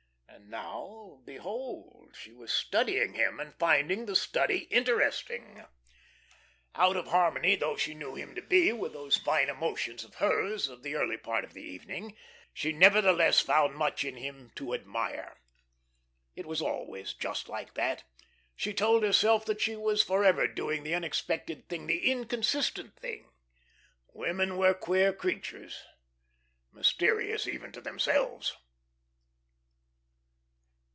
And now, behold, she was studying him, and finding the study interesting. Out of harmony though she knew him to be with those fine emotions of hers of the early part of the evening, she nevertheless found much in him to admire. It was always just like that. She told herself that she was forever doing the unexpected thing, the inconsistent thing. Women were queer creatures, mysterious even to themselves.